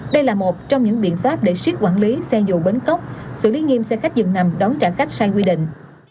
đây là một trong những biện pháp để siết quản lý xe dù bến cốc xử lý nghiêm xe khách dừng nằm đón trả khách sai quy định